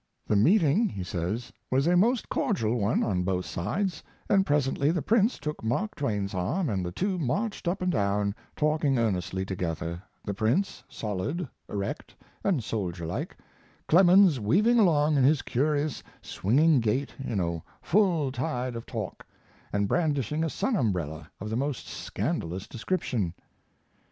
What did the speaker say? "The meeting," he says, "was a most cordial one on both sides, and presently the Prince took Mark Twain's arm and the two marched up and down, talking earnestly together, the Prince, solid, erect, and soldier like, Clemens weaving along in his curious, swinging gait in a full tide of talk, and brandishing a sun umbrella of the most scandalous description."